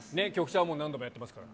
局長も何度もやってますから。